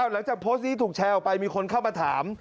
หลังจากโพสต์นี้ถูกแชร์ออกไปมีคนเข้ามาถาม